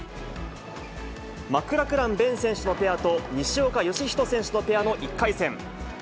マクラクラン勉選手のペアと、西岡良仁選手のペアの１回戦。